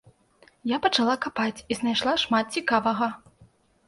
Я пачала капаць і знайшла шмат цікавага.